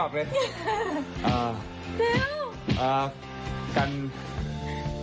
ไม่ต้องหลอกนะฟี